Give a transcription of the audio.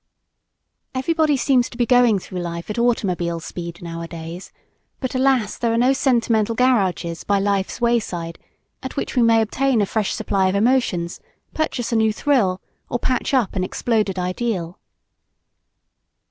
Everybody seems to be going through life at automobile speed nowadays; but alas, there are no sentimental garages by Life's wayside at which we may obtain a fresh supply of emotions, purchase a new thrill or patch up an exploded ideal.